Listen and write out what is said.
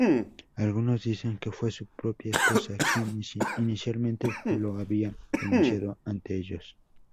Algunos dicen que fue su propia esposa quien inicialmente lo había denunciado ante ellos.